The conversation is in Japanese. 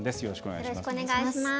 よろしくお願いします。